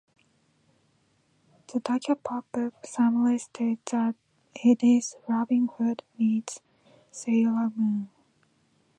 The Tokyopop book summary states that it is Robin Hood meets Sailor Moon!